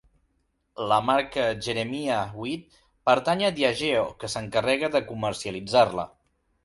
La marca Jeremiah Weed pertany a Diageo, que s'encarrega de comercialitzar-la.